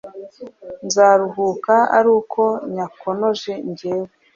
Nzaruhuka ari uko nyakonoje ngewe